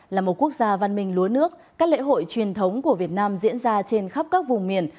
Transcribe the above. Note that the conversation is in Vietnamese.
là một quốc gia văn minh lúa nước các lễ hội truyền thống của việt nam diễn ra trên khắp các vùng miền